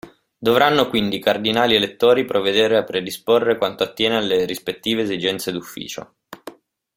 Dovranno quindi i Cardinali elettori provvedere a predisporre quanto attiene alle rispettive esigenze d'ufficio.